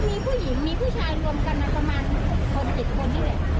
ก็มีผู้หญิงมีผู้ชายรวมกันนะประมาณ๖๗คนด้วย